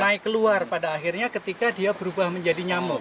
naik keluar pada akhirnya ketika dia berubah menjadi nyamuk